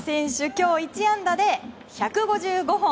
今日１安打で１５５本。